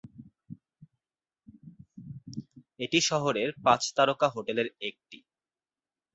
এটি শহরের পাঁচ তারকা হোটেলের একটি।